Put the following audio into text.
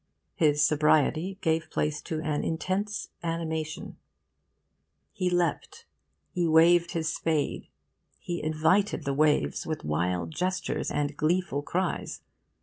His sobriety gave place to an intense animation. He leapt, he waved his spade, he invited the waves with wild gestures and gleeful cries.